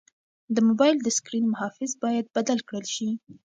د موبایل د سکرین محافظ باید بدل کړل شي.